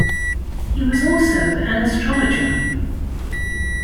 He was also an astrologer.